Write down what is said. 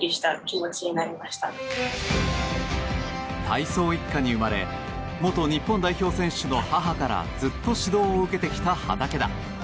体操一家に生まれ元日本代表選手の母からずっと指導を受けてきた畠田。